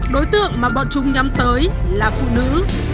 đối tượng mà bọn chúng nhắm tới là phụ nữ